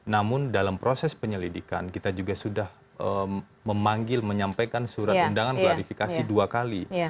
namun dalam proses penyelidikan kita juga sudah memanggil menyampaikan surat undangan klarifikasi dua kali